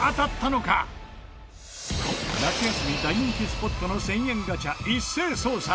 夏休み大人気スポットの１０００円ガチャ一斉捜査。